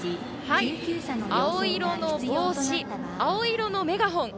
青色の帽子、青色のメガホン。